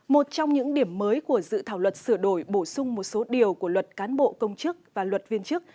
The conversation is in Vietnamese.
một trong những điểm mới của dự thảo luật sửa đổi bổ sung một số điều của luật cán bộ công chức và luật viên chức